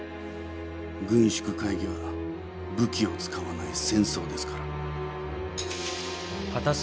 軍縮会議は武器を使わない戦争ですから。